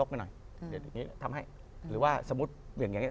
เดี๋ยวนี้ทำให้หรือว่าสมมุติอย่างเง